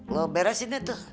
lu beresinnya tuh